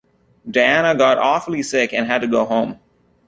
Diana got awfully sick and had to go home.